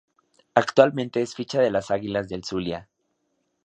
Actualmente es ficha de las Águilas del Zulia.